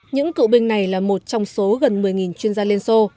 những cựu binh này là một trong số gần một mươi chuyên gia liên xô